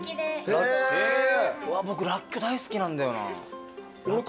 僕らっきょう大好きなんだよな。